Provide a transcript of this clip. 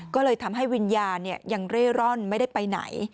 ก็เลยทำให้วิญญาณยังเร่ร่อนไม่ได้ไปไหน